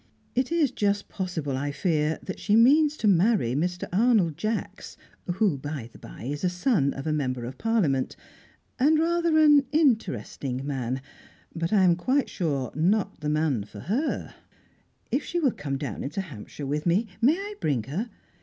It is just possible, I fear, that she means to marry Mr. Arnold Jacks, who, by the bye, is a son of a Member of Parliament, and rather an interesting man, but, I am quite sure, not the man for her. If she will come down into Hampshire with me may I bring her?